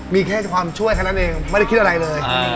มีแค่ความช่วยแค่นั้นเองไม่ได้คิดอะไรเลย